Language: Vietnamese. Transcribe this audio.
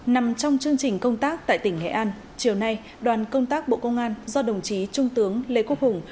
nằm trong chương trình công tác tại tỉnh nghệ an chiều nay đoàn công tác bộ công an do đồng chí trung tướng lê quốc hùng